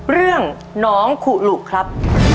เรื่องน้องขุหลุครับ